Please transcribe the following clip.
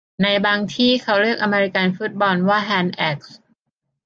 ในบางที่เขาเรียกอเมริกันฟุตบอลว่าแฮนด์เอ๊ก